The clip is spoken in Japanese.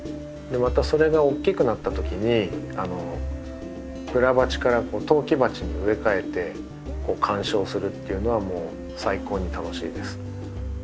またそれが大きくなった時にプラ鉢から陶器鉢に植え替えて観賞するっていうのはもう最高に楽しいです。